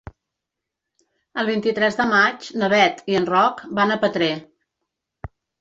El vint-i-tres de maig na Beth i en Roc van a Petrer.